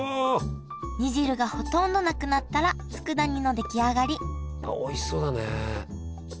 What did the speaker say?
煮汁がほとんどなくなったらつくだ煮の出来上がりおいしそうだね。